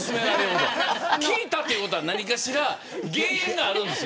聞いたということは何かしら原因があるんです。